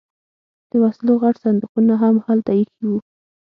د وسلو غټ صندوقونه هم هلته ایښي وو